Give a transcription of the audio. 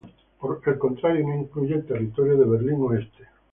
Por el contrario, no incluyó el territorio de Berlín Oeste.